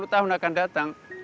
tiga puluh tahun akan datang